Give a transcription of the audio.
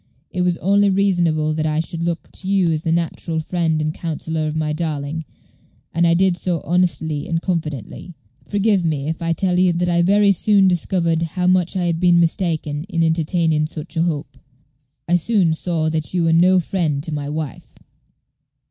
It was only reasonable that I should look to you as the natural friend and counsellor of my darling, and I did so honestly and confidently. Forgive me if I tell you that I very soon discovered how much I had been mistaken in entertaining such a hope. I soon saw that you were no friend to my wife."